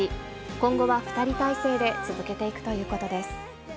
今後は２人体制で続けていくということです。